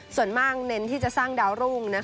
ส่วนมากเน้นที่จะสร้างดาวรุ่ง